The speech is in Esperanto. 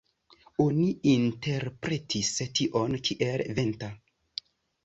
Oni interpretis tion kiel "venta".